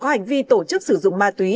có hành vi tổ chức sử dụng ma túy